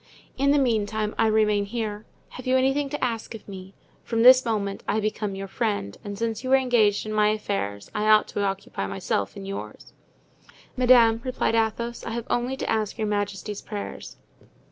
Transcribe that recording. In the meantime, I remain here. Have you anything to ask of me? From this moment I become your friend, and since you are engaged in my affairs I ought to occupy myself in yours." "Madame," replied Athos, "I have only to ask your majesty's prayers."